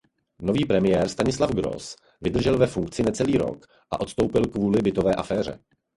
Nový premiér Stanislav Gross vydržel ve funkci necelý rok a odstoupil kvůli bytové aféře.